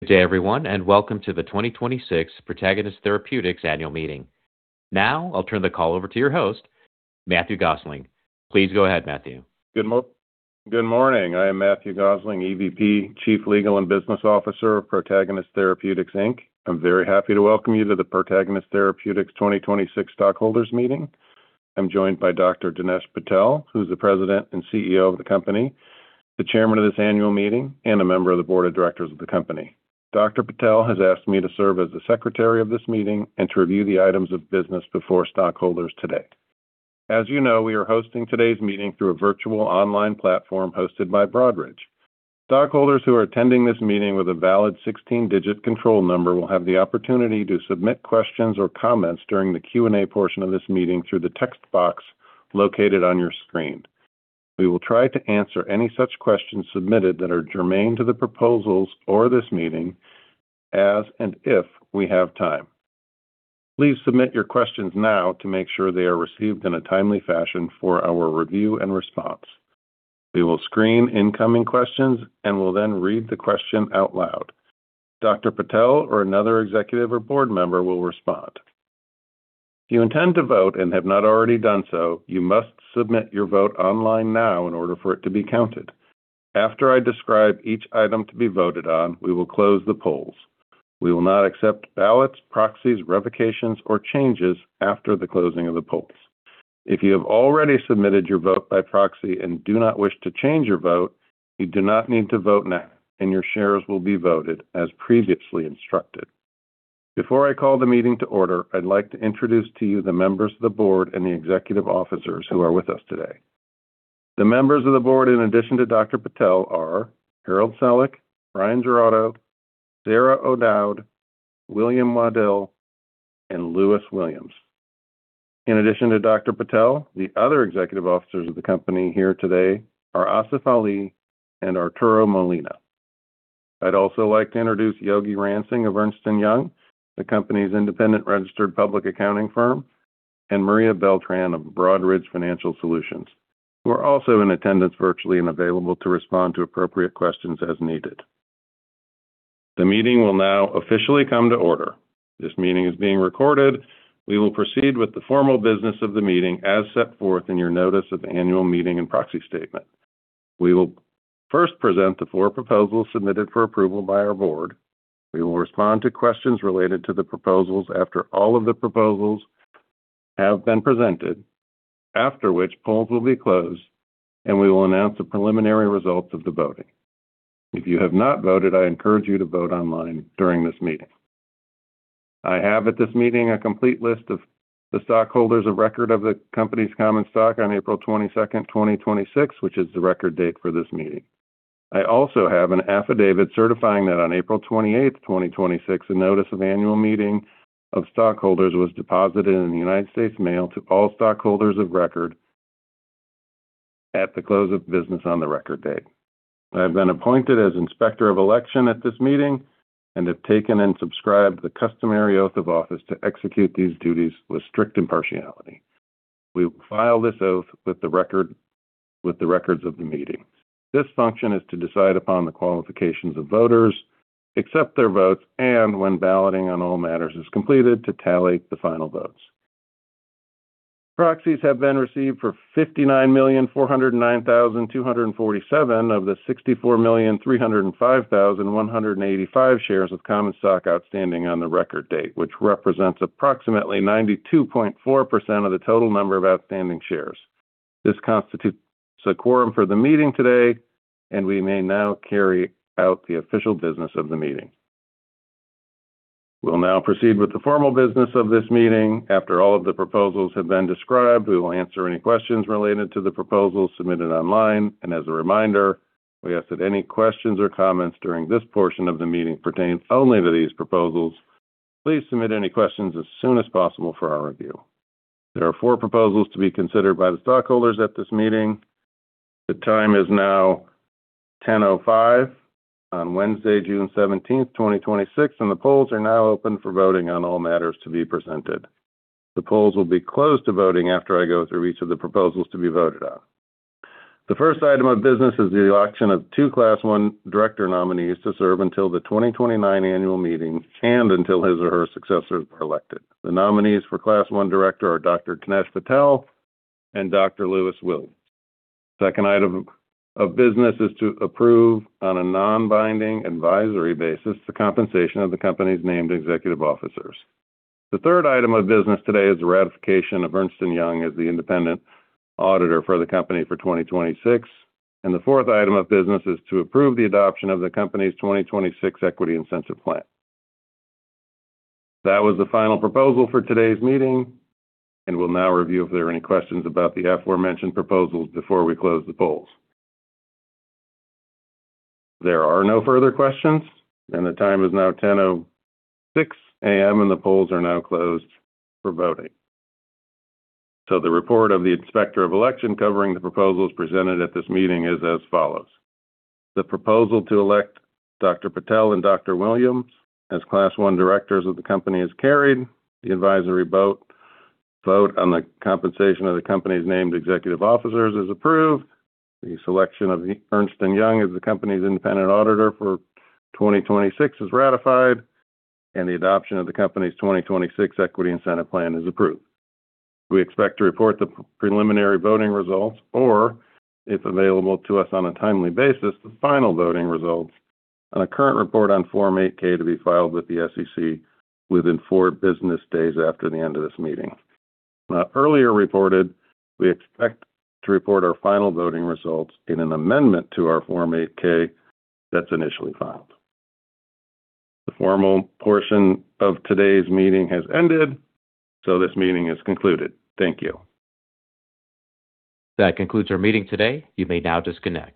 Good day, everyone, and welcome to the 2026 Protagonist Therapeutics annual meeting. I'll turn the call over to your host, Matthew Gosling. Please go ahead, Matthew. Good morning. I am Matthew Gosling, EVP, Chief Legal and Business Officer of Protagonist Therapeutics Inc. I'm very happy to welcome you to the Protagonist Therapeutics 2026 stockholders meeting. I'm joined by Dr. Dinesh Patel, who's the President and CEO of the company, the chairman of this annual meeting, and a member of the board of directors of the company. Dr. Patel has asked me to serve as the secretary of this meeting and to review the items of business before stockholders today. As you know, we are hosting today's meeting through a virtual online platform hosted by Broadridge. Stockholders who are attending this meeting with a valid 16-digit control number will have the opportunity to submit questions or comments during the Q&A portion of this meeting through the text box located on your screen. We will try to answer any such questions submitted that are germane to the proposals or this meeting as and if we have time. Please submit your questions now to make sure they are received in a timely fashion for our review and response. We will screen incoming questions and will read the question out loud. Dr. Patel or another executive or board member will respond. If you intend to vote and have not already done so, you must submit your vote online now in order for it to be counted. After I describe each item to be voted on, we will close the polls. We will not accept ballots, proxies, revocations, or changes after the closing of the polls. If you have already submitted your vote by proxy and do not wish to change your vote, you do not need to vote now, your shares will be voted as previously instructed. Before I call the meeting to order, I'd like to introduce to you the members of the board and the executive officers who are with us today. The members of the board in addition to Dr. Patel are Harold Selick, Bryan Giraudo, Sarah O'Dowd, William Waddill, and Lewis Williams. In addition to Dr. Patel, the other executive officers of the company here today are Asif Ali and Arturo Molina. I'd also like to introduce Yogi Ramsing of Ernst & Young, the company's independent registered public accounting firm, and Maria Beltran of Broadridge Financial Solutions, who are also in attendance virtually and available to respond to appropriate questions as needed. The meeting will now officially come to order. This meeting is being recorded. We will proceed with the formal business of the meeting as set forth in your notice of annual meeting and proxy statement. We will first present the four proposals submitted for approval by our board. We will respond to questions related to the proposals after all of the proposals have been presented, after which polls will be closed, and we will announce the preliminary results of the voting. If you have not voted, I encourage you to vote online during this meeting. I have at this meeting a complete list of the stockholders of record of the company's common stock on April 22nd, 2026, which is the record date for this meeting. I also have an affidavit certifying that on April 28th, 2026, a notice of annual meeting of stockholders was deposited in the United States Mail to all stockholders of record at the close of business on the record date. I have been appointed as Inspector of Election at this meeting and have taken and subscribed the customary oath of office to execute these duties with strict impartiality. We will file this oath with the records of the meeting. This function is to decide upon the qualifications of voters, accept their votes, and when balloting on all matters is completed, to tally the final votes. Proxies have been received for 59,409,247 of the 64,305,185 shares of common stock outstanding on the record date, which represents approximately 92.4% of the total number of outstanding shares. This constitutes a quorum for the meeting today, and we may now carry out the official business of the meeting. We'll now proceed with the formal business of this meeting. After all of the proposals have been described, we will answer any questions related to the proposals submitted online. As a reminder, we ask that any questions or comments during this portion of the meeting pertain only to these proposals. Please submit any questions as soon as possible for our review. There are four proposals to be considered by the stockholders at this meeting. The time is now 10:05 A.M. on Wednesday, June 17th, 2026, and the polls are now open for voting on all matters to be presented. The polls will be closed to voting after I go through each of the proposals to be voted on. The first item of business is the election of two Class I director nominees to serve until the 2029 annual meeting and until his or her successors are elected. The nominees for Class I director are Dr. Dinesh Patel and Dr. Lewis Williams. The second item of business is to approve on a non-binding advisory basis the compensation of the company's named executive officers. The third item of business today is the ratification of Ernst & Young as the independent auditor for the company for 2026. The fourth item of business is to approve the adoption of the company's 2026 equity incentive plan. That was the final proposal for today's meeting. We'll now review if there are any questions about the aforementioned proposals before we close the polls. There are no further questions. The time is now 10:06 A.M., and the polls are now closed for voting. The report of the Inspector of Election covering the proposals presented at this meeting is as follows. The proposal to elect Dr. Patel and Dr. Williams as Class I directors of the company is carried. The advisory vote on the compensation of the company's named executive officers is approved. The selection of Ernst & Young as the company's independent auditor for 2026 is ratified, and the adoption of the company's 2026 equity incentive plan is approved. We expect to report the preliminary voting results, or if available to us on a timely basis, the final voting results on a current report on Form 8-K to be filed with the SEC within four business days after the end of this meeting. When earlier reported, we expect to report our final voting results in an amendment to our Form 8-K that's initially filed. The formal portion of today's meeting has ended, this meeting is concluded. Thank you. That concludes our meeting today. You may now disconnect.